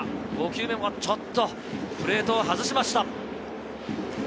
５球目もちょっとプレートを外しました。